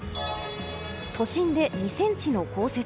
都心で２ｃｍの降雪。